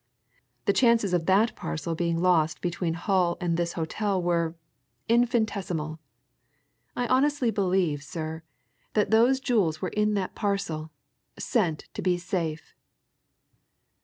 The chances of that parcel being lost between Hull and this hotel were infinitesimal! I honestly believe, sir, that those jewels were in that parcel sent to be safe."